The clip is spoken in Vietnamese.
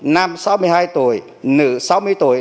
nam sáu mươi hai tuổi nữ sáu mươi tuổi